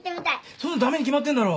そんなの駄目に決まってんだろ。